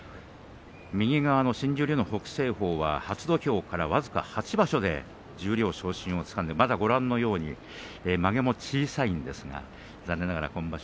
右側の新十両の北青鵬は初土俵から僅か８場所で十両昇進をつかんでまだ、まげも小さいですが残念ながら今場所